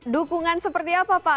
dukungan seperti apa pak